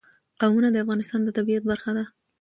قومونه د افغانستان د طبیعت برخه ده.